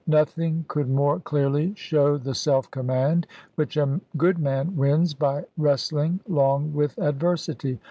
Nothing could more clearly show the self command which a good man wins by wrestling long with adversity.